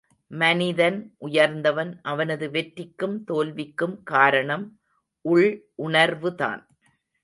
மனிதன் உயர்ந்தவன் அவனது வெற்றிக்கும் தோல்விக்கும் காரணம் உள் உணர்வுதான்.